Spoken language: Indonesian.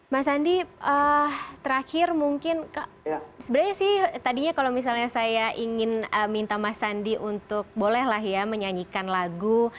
mas andi terakhir mungkin sebenarnya sih tadinya kalau misalnya saya ingin minta mas andi untuk bolehlah ya menyanyikan lagu